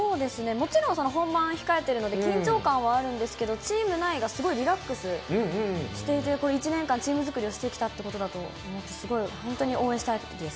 もちろん本番控えてるので、緊張感はあるんですけど、チーム内がすごいリラックスしていて、１年間チーム作りをしてきたということだと思って、すごい、本当に応援したいです。